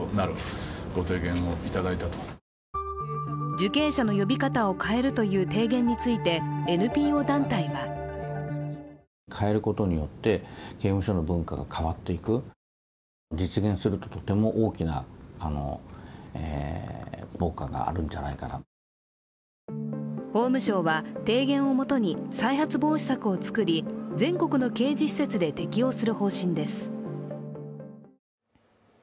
受刑者の呼び方を変えるという提言についてＮＰＯ団体は法務省は提言をもとに再発防止策を作り、全国の刑事施設で適用する方針です。